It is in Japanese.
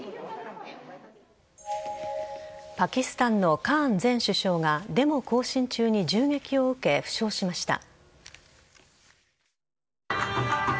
パキスタンのカーン前首相がデモ行進中に銃撃を受け負傷しました。